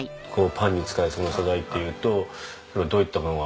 パンに使えそうな素材っていうとどういったものが。